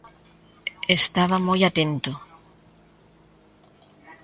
Estaba moi atento.